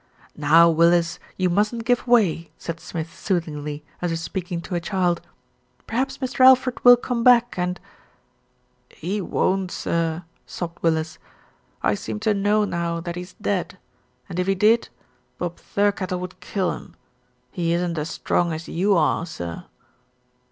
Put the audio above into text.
"Now, Willis, you mustn't give way," said Smith soothingly, as if speaking to a child. "Perhaps Mr. Alfred will come back and " "He won't, sir," sobbed Willis. "I seem to know now that he's dead, and if he did, Bob Thirkettle would kill him, he isn't as strong as you are, sir."